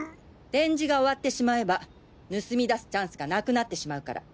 展示が終わってしまえば盗み出すチャンスがなくなってしまうから。